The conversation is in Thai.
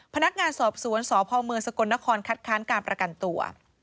พนักงานสอบสวนสพเมืองสกลนครคัดค้านการประกันตัว